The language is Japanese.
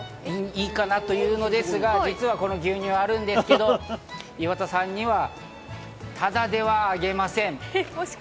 いいかなというのですが、牛乳はあるんですけど、岩田さんにはタダではあげません。